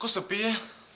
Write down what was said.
kok sepi ya